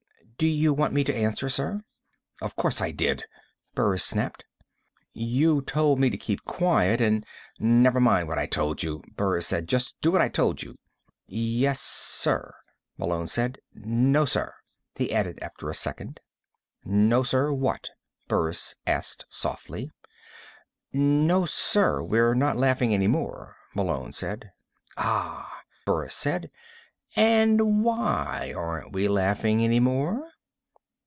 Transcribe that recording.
"Did you want me to answer, sir?" "Of course I did!" Burris snapped. "You told me to keep quiet and " "Never mind what I told you," Burris said. "Just do what I told you." "Yes, sir," Malone said. "No, sir," he added after a second. "No, sir, what?" Burris asked softly. "No, sir, we're not laughing any more," Malone said. "Ah," Burris said. "And why aren't we laughing any more?"